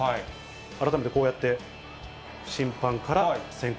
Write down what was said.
改めてこうやって審判から宣告。